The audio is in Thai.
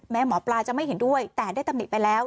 หมอปลาจะไม่เห็นด้วยแต่ได้ตำหนิไปแล้ว